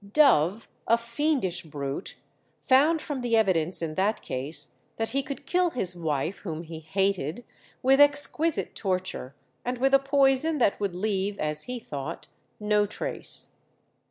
Dove, a fiendish brute, found from the evidence in that case that he could kill his wife, whom he hated, with exquisite torture, and with a poison that would leave, as he thought, no trace.